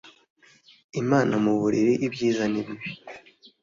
imana mu buriri, ibyiza n'ibibi,